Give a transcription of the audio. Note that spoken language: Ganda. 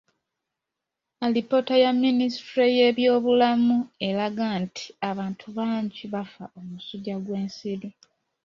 Alipoota ya minisitule y'ebyobulamu eraga nti abantu bangi bafa omusujja gw'ensiri.